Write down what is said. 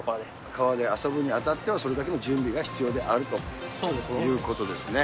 川で遊ぶにあたってはそれだけの準備が必要であるということですね。